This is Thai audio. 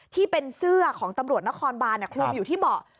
ที่เป็นเสื้อของตำรวจนครบานคลุมอยู่ที่เบาะ